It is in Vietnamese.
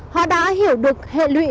họ đã hiểu được hệ lụy